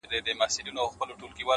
كه به زما په دعا كيږي؛